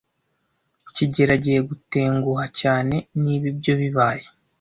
kigeli agiye gutenguha cyane niba ibyo bibaye.